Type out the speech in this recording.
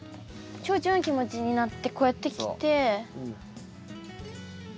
チョウチョの気持ちになってこうやって来て。